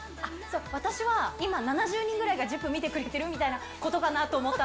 私は今７０人ぐらいが『ＺＩＰ！』見てくれてるみたいなことかなと思った。